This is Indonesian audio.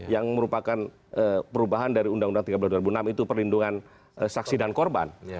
yang merupakan perubahan dari undang undang tiga belas dua ribu enam itu perlindungan saksi dan korban